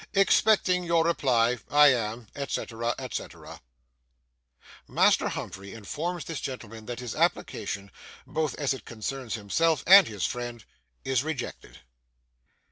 'Expecting your reply, 'I am, '&c. &c.' Master Humphrey informs this gentleman that his application, both as it concerns himself and his friend, is rejected.